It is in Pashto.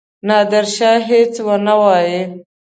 نادرشاه هیڅ ونه وايي.